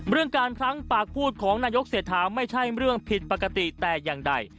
เรื่องการพลั้งปากพูดของนายกเศรษฐาไม่ใช่เรื่องผิดปกติแต่อย่างใด